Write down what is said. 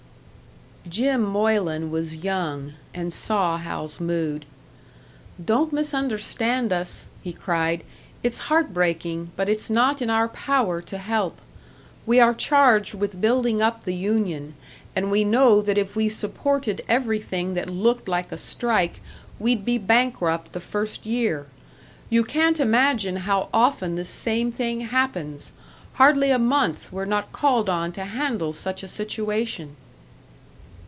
Jim Moylan was young, and saw Hal's mood. "Don't misunderstand us!" he cried. "It's heartbreaking but it's not in our power to help. We are charged with building up the union, and we know that if we supported everything that looked like a strike, we'd be bankrupt the first year. You can't imagine how often this same thing happens hardly a month we're not called on to handle such a situation."